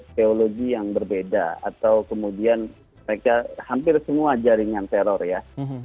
teologi yang berbeda atau kemudian mereka hampir semua jaringan teror ya